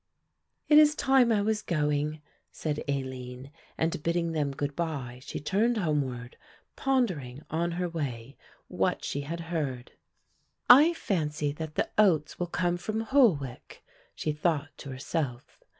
"It is time I was going," said Aline, and bidding them good bye, she turned homeward, pondering on her way what she had heard. "I fancy that the oats will come from Holwick," she thought to herself.